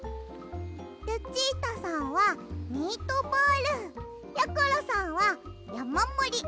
ルチータさんはミートボール。やころさんはやまもりおやさいです。